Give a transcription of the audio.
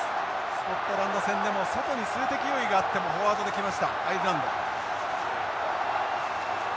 スコットランド戦でも外に数的優位があってもフォワードで来ましたアイルランド。